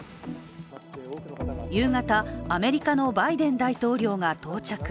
夕方、アメリカのバイデン大統領が到着。